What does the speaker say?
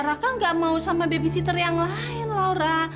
raka gak mau sama babysitter yang lain laura